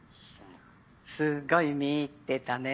すごい見入ってたね。